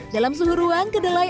dalam suhu ruang kedelai